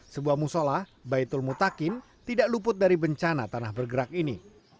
sebuah musola baitul mutakin tidak luput dari bencana tanah bergerak ini